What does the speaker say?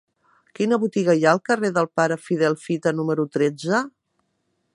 Quina botiga hi ha al carrer del Pare Fidel Fita número tretze?